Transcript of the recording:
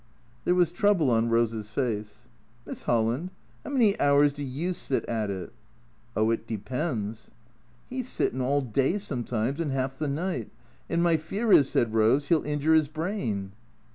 There was trouble on Rose's face. "Miss 'Olland — 'ow many hours do you sit at it?" " Oh, it depends." " 'E 's sittin' all day sometimes, and 'arf the night. And my fear is," said Rose, " 'e '11 injure 'is brain."